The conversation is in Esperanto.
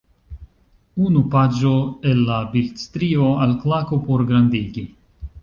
Unu paĝo el la bildstrio - alklaku por grandigi.